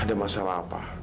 ada masalah apa